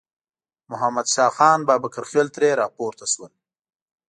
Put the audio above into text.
محمد شاه خان بابکرخېل ترې راپورته شول.